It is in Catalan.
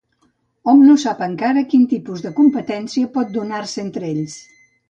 Hom no sap encara quin tipus de competència pot donar-se entre ells.